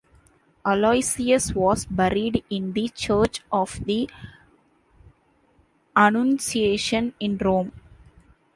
Aloysius was buried in the Church of the Annunciation in Rome.